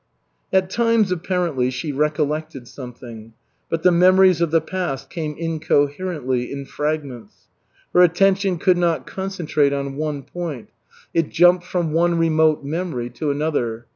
At times, apparently, she recollected something; but the memories of the past came incoherently, in fragments. Her attention could not concentrate on one point. It jumped from one remote memory to another.